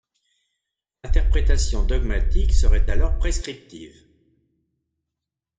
L’interprétation dogmatique serait alors prescriptive.